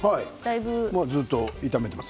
ずっと炒めています。